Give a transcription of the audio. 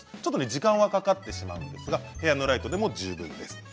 時間がかかってしまうんですが部屋のライトでも十分です。